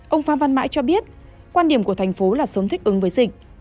ông phan văn mãi cho biết quan điểm của thành phố là sớm thích ứng với dịch